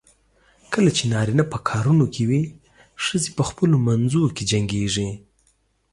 کله چې نارینه په کارونو کې وي، ښځې په خپلو منځو کې جنګېږي.